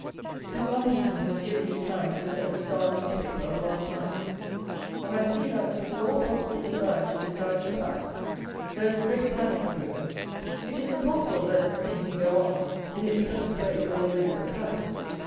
This long evening has given me time to look at the Star newspaper of last night; and I see that, with all possible desire to disguise the fact, there is a great "panic" brewing. It is impossible that this thing can go on, in its present way, for any length of time.